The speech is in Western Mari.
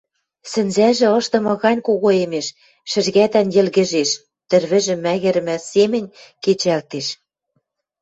сӹнзӓжӹ ышдымын гань когоэмеш, шӹжгӓтӓн йӹлгӹжеш; тӹрвӹжӹ мӓгӹрӹмӹ семӹнь кечӓлтеш...